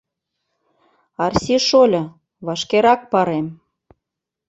Арси шольо, вашкерак парем.